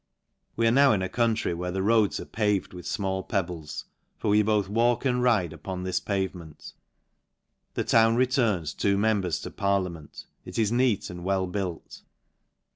We are now in a country where the roads are paved with fmall peb bles, fo that we both walk and ride upon this pave ment. This town returns two members to par liament. It is neat and well built.